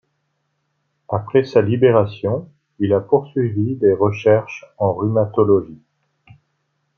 Après sa libération, il a poursuivi des recherches en rhumatologie.